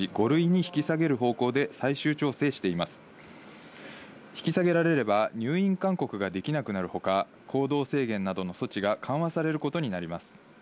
引き下げられれば入院勧告ができなくなるほか、行動制限などの措置が緩和されることになります。